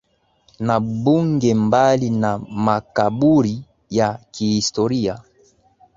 na bunge Mbali na makaburi ya kihistoria